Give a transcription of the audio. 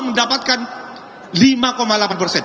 mendapatkan lima delapan persen